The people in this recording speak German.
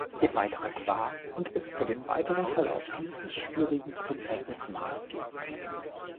Ihr Beitrag war und ist für den weiteren Verlauf dieses schwierigen Prozesses maßgebend.